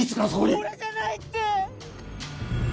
俺じゃないって！